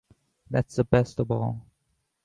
That's the best of all.